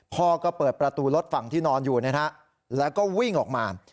พ่อก็เปิดประตูรถฝั่งที่นอนอยู่นะฮะแล้วก็วิ่งออกมา